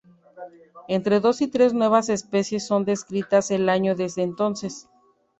Entre dos y tres nuevas especies son descritas al año desde entonces.